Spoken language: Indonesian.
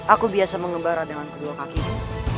aku biasa mengembara dengan kedua kakiku